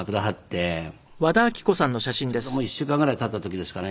ちょうどもう１週間ぐらい経った時ですかね。